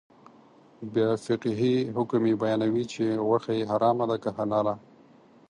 بیا فقهي حکم یې بیانوي چې غوښه یې حرامه ده که حلاله.